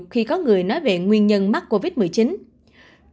khi có người nói về nguyên nhân mắc covid một mươi chín